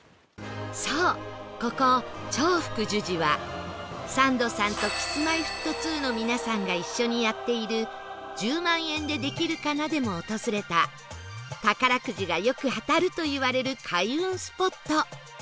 そうここ長福寿寺はサンドさんと Ｋｉｓ−Ｍｙ−Ｆｔ２ の皆さんが一緒にやっている『１０万円でできるかな』でも訪れた宝くじがよく当たるといわれる開運スポット